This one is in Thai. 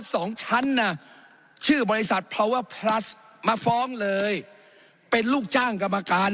สองชั้นน่ะชื่อบริษัทพาเวอร์พลัสมาฟ้องเลยเป็นลูกจ้างกรรมการ